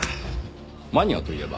マニアといえば。